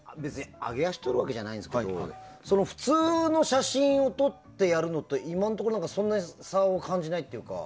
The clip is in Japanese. あげ足をとるわけじゃないんですけど普通の写真を撮ってやるのと今のところそんなに差を感じないというか。